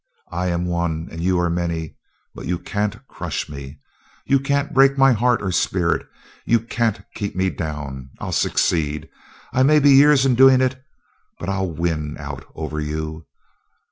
I am one and you are many, but you can't crush me, you can't break my heart or spirit; you can't keep me down! I'll succeed! I may be years in doing it, but I'll win out over you.